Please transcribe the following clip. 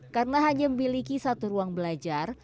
karena hanya memiliki satu ruang belajar